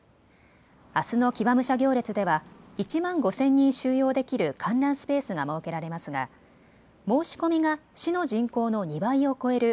あすの騎馬武者行列では１万５０００人収容できる観覧スペースが設けられますが申し込みが市の人口の２倍を超える